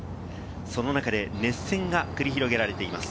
その中で熱戦が繰り広げられています。